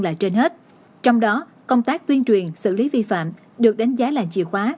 là trên hết trong đó công tác tuyên truyền xử lý vi phạm được đánh giá là chìa khóa